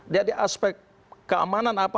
jadi aspek keamanan apa